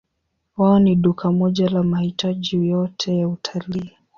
Wao ni duka moja la mahitaji yote ya utalii.